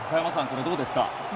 これどうですか？